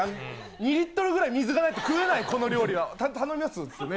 ２リットルぐらい水がないと食えない、この料理は、頼みますって言ってね。